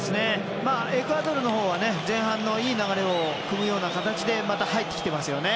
エクアドルのほうは前半のいい流れをくむ形でまた入ってきてますよね。